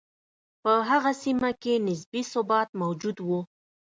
په هغه سیمه کې نسبي ثبات موجود و.